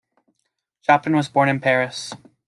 Chapelain was born in Paris.